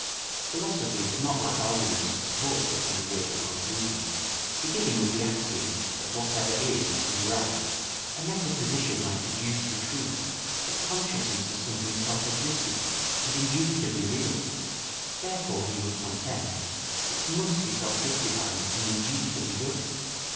Philosophy would not lack arguments to support such an agreeable conclusion. Beginning with the axiom that whatever is is right, a metaphysician might adduce the truth that consciousness is something self existent and indubitably real; therefore, he would contend, it must be self justifying and indubitably good.